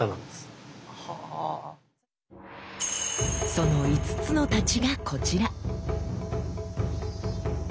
その五津之太刀がこちら！